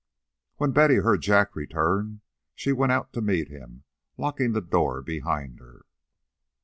When Betty heard Jack return, she went out to meet him, locking the door behind her.